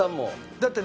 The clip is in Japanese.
だってね